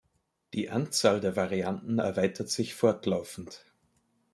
Die Anzahl der Varianten erweitert sich fortlaufend.